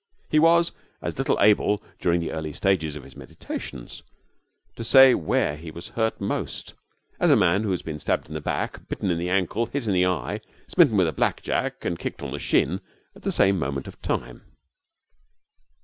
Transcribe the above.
He was as little able, during the early stages of his meditations, to say where he was hurt most as a man who had been stabbed in the back, bitten in the ankle, hit in the eye, smitten with a blackjack, and kicked on the shin in the same moment of time.